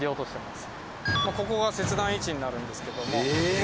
ここが切断位置になるんですけども。